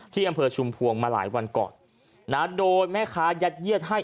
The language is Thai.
ที่อำเภอชุมพวงมาหลายวันก่อนนะโดยแม่ค้ายัดเยียดให้